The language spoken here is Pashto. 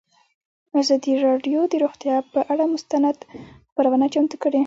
ازادي راډیو د روغتیا پر اړه مستند خپرونه چمتو کړې.